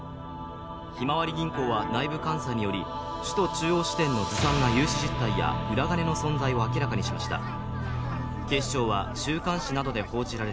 ひまわり銀行は内部監査により首都中央支店のずさんな融資実態や裏金の存在を明らかにしました警視庁は週刊誌などで報じられた